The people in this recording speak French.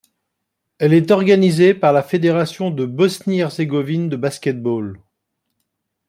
Elle est organisée par la Fédération de Bosnie-Herzégovine de basket-ball.